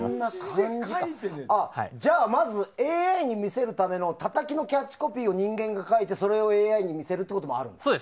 じゃあ、ＡＩに見せるためのたたきのキャッチコピーを人間が書いてそれをＡＩに見せるということもあるんですか。